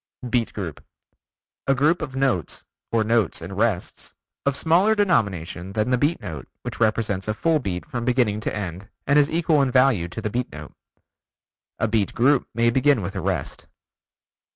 Beat Group: A group of notes or notes and rests, of smaller denomination than the beat note which represents a full beat from beginning to end and is equal in value to the beat note. (A beat group may begin with a rest.)